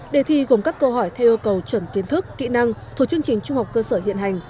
đề thi gồm các câu hỏi theo yêu cầu chuẩn kiến thức kỹ năng thuộc chương trình trung học cơ sở hiện hành